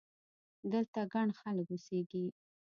دلته ګڼ خلک اوسېږي!